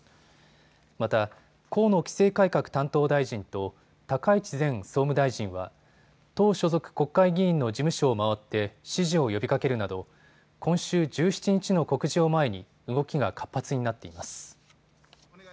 また河野規制改革担当大臣と高市前総務大臣は党所属国会議員の事務所を回って支持を呼びかけるなど今週１７日の告示を前に動きが活発になっています。